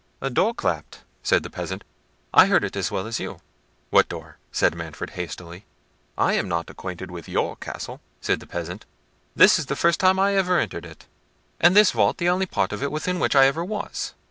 "A door clapped," said the peasant; "I heard it as well as you." "What door?" said Manfred hastily. "I am not acquainted with your castle," said the peasant; "this is the first time I ever entered it, and this vault the only part of it within which I ever was."